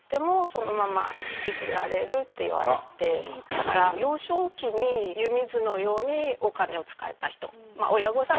だから幼少期に湯水のようにお金を使えた人。